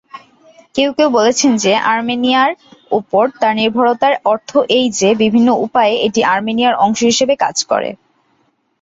কেউ কেউ বলেছেন যে আর্মেনিয়ার উপর তার নির্ভরতার অর্থ এই যে, বিভিন্ন উপায়ে এটি আর্মেনিয়ার অংশ হিসাবে কাজ করে।